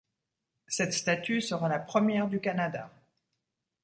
Cette statue sera la première du Canada.